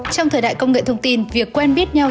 trong thời đại công nghệ thông tin việc quen biết nhau